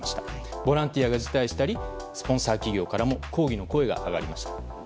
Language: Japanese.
ボランティアが辞退したりスポンサー企業からも抗議の声が上がりました。